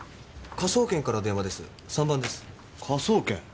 科捜研？